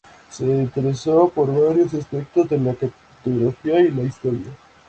Se interesó por varios aspectos de la cartografía y la historia.